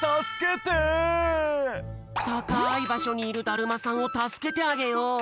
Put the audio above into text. たかいばしょにいるだるまさんをたすけてあげよう！